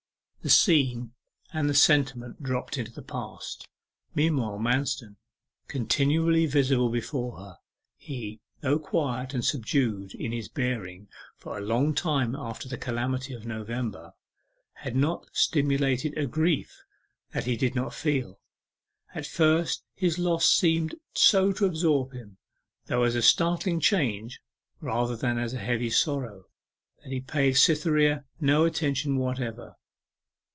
The scene and the sentiment dropped into the past. Meanwhile, Manston continued visibly before her. He, though quiet and subdued in his bearing for a long time after the calamity of November, had not simulated a grief that he did not feel. At first his loss seemed so to absorb him though as a startling change rather than as a heavy sorrow that he paid Cytherea no attention whatever.